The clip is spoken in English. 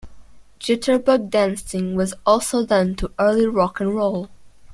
Jitterbug dancing was also done to early rock and roll.